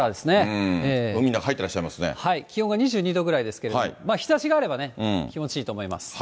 海の中、気温が２２度ぐらいですけども、日ざしがあればね、気持ちがいいと思います。